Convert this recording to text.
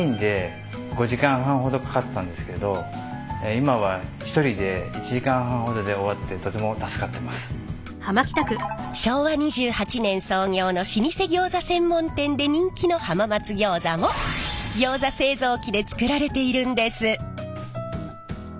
以前は以前手で作ってる時は昭和２８年創業の老舗ギョーザ専門店で人気の浜松餃子もギョーザ製造機で作られているんです！